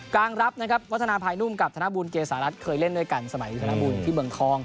กลางรับนะครับวัฒนาภายนุ่มกับธนบุญเกษารัฐเคยเล่นด้วยกันสมัยธนบุญที่เมืองทอง